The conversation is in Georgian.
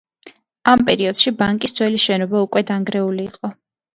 ამ პერიოდში ბანკის ძველი შენობა უკვე დანგრეული იყო.